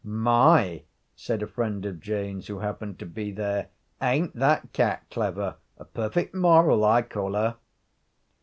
'My!' said a friend of Jane's who happened to be there, 'ain't that cat clever a perfect moral, I call her.'